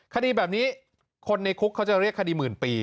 คดีแบบนี้คนในคุกเขาจะเรียกคดีหมื่นปี